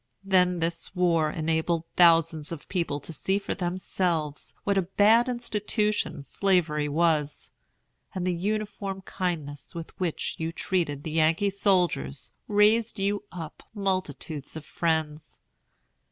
Then this war enabled thousands of people to see for themselves what a bad institution Slavery was; and the uniform kindness with which you treated the Yankee soldiers raised you up multitudes of friends.